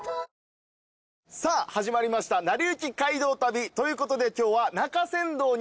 さあ始まりました『なりゆき街道旅』ということで今日は。